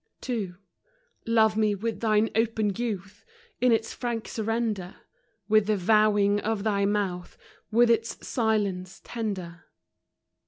FROM QUEENS' GARDENS. II. Love me with thine open youth In its frank surrender ; With the vowing of thy mouth, With its silence tender.